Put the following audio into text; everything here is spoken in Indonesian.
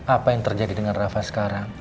apa yang terjadi dengan rafa sekarang